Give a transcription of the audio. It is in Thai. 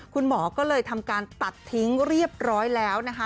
คุณหมอก็เลยทำการตัดทิ้งเรียบร้อยแล้วนะคะ